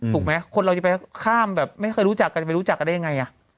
ถูกไหมคนเราจะไปข้ามแบบไม่เคยรู้จักกันจะไปรู้จักกันได้ยังไง